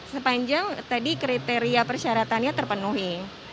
sepanjang tadi kriteria persyaratannya terpenuhi